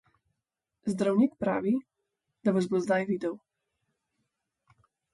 Zdravnik pravi, da vas bo zdaj videl.